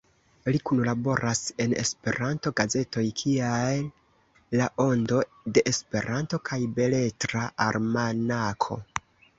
Li kunlaboras en Esperanto gazetoj kiaj La Ondo de Esperanto kaj Beletra Almanako.